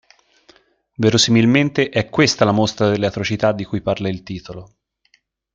Verosimilmente è questa la mostra delle atrocità di cui parla il titolo.